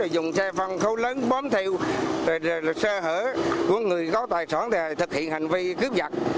dùng xe phân khâu lớn bóm theo xe hở của người có tài sản để thực hiện hành vi cướp giật